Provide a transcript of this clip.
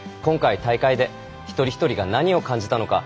今回大会で一人一人が何を感じたのか。